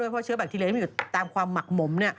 เพราะว่าเชื้อแบคทีเรียนมีอยู่ตามความหมักหมม